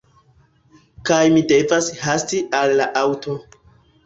Kaj mi devas hasti al la aŭto